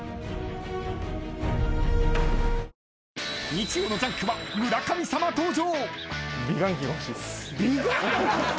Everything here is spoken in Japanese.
［日曜の『ジャンク』は村神様登場］